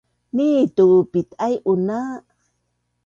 nitu pit’aiun a